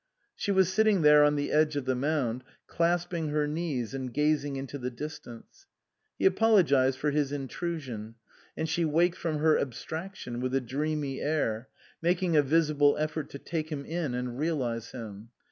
She was sitting there on the edge of the mound, clasping her knees and gazing into the distance. He apologised for his intrusion, and she waked from her abstraction with a dreamy air, making a visible effort to take him in and realize him.